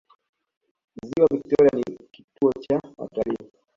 ziwa victoria ni kivutio cha watalii